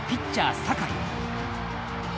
酒井。